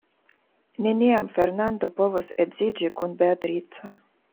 Neniam Fernando povos edziĝi kun Beatrico.